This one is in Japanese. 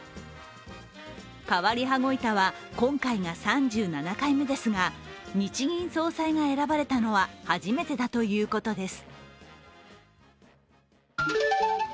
変わり羽子板は今回が３７回目ですが日銀総裁が選ばれたのは初めてだということです。